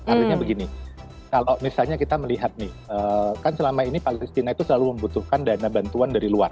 artinya begini kalau misalnya kita melihat nih kan selama ini palestina itu selalu membutuhkan dana bantuan dari luar